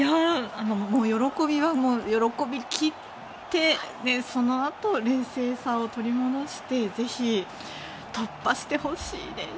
もう喜び切ってそのあと冷静さを取り戻してぜひ突破してほしいです。